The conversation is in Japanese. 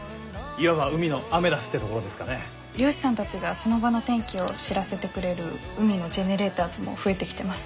漁師さんたちがその場の天気を知らせてくれる海のジェネレーターズも増えてきてます。